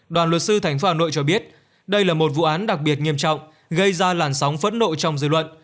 đoàn luật sư tp hà nội cho biết đây là một vụ án đặc biệt nghiêm trọng gây ra làn sóng phẫn nộ trong dư luận